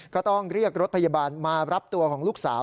ก็ต้องเรียกรถพยาบาลมารับตัวของลูกสาว